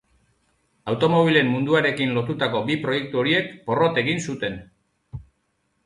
Automobilen munduarekin lotutako bi proiektu horiek porrot egin zuten.